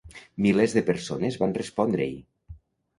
Milers de persones van respondre-hi.